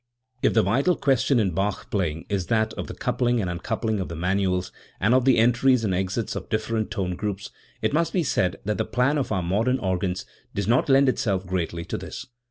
If the vital question in Bach playing is that of the coupling and uncoupling of the manuals, and of the entries and exits of different tone groups, it must be said that the plan of our modern organs does not lend itself greatly to this.